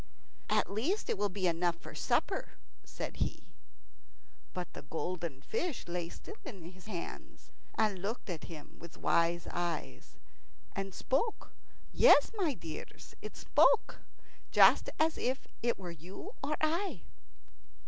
"At least it will be enough for supper," said he. But the golden fish lay still in his hands, and looked at him with wise eyes, and spoke yes, my dears, it spoke, just as if it were you or I.